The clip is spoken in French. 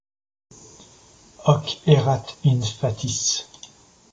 Hoc erat in fatis.